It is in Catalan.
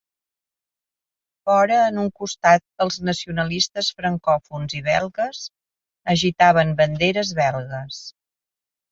Fora en un costat els nacionalistes francòfons i belgues agitaven banderes belgues.